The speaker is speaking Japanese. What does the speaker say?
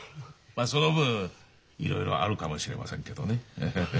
その分いろいろあるかもしれませんけどねハハハハ。